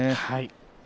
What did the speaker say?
はい。